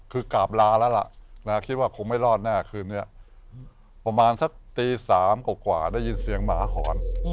คือกราบลาแล้วล่ะคิดว่าคงไม่รอดแน่คืนนี้ประมาณสักตี๓กว่าได้ยินเสียงหมาหอน